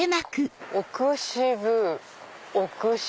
「奥渋」